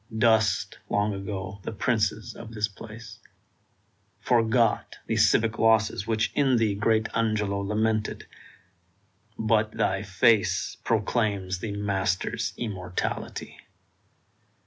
Dust, long ago, the princes of this place ; Forgot the civic losses which in thee Great Angelo lamented ; but thy face Proclaims the master's immortality!